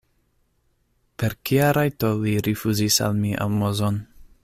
Per kia rajto li rifuzis al mi almozon?